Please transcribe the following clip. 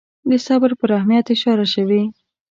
د صبر پر اهمیت اشاره شوې.